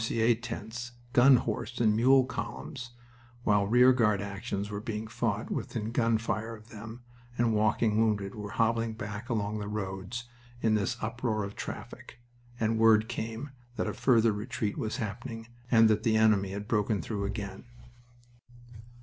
C.A. tents, gun horse and mule columns, while rear guard actions were being fought within gunfire of them and walking wounded were hobbling back along the roads in this uproar of traffic, and word came that a further retreat was happening and that the enemy had broken through again...